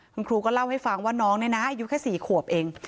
คุณครูก็เล่าให้ฟังว่าน้องเนี่ยนะอายุแค่๔ขวบเอง